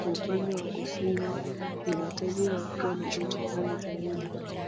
Upande wa kusini ina tabia ya kuwa na joto kali zaidi